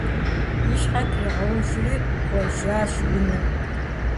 И щхьэ тригъэужри кӀуэжащ унэм.